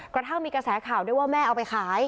กระทั่งมีกระแสข่าวด้วยว่าแม่เอาไปขาย